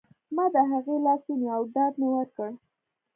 ما د هغې لاس ونیو او ډاډ مې ورکړ